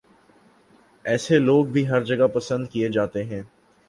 ایسے لوگ بھی ہر جگہ پسند کیے جاتے ہیں